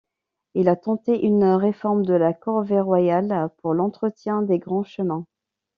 Il a tenté une réforme de la corvée royale pour l'entretien des grands chemins.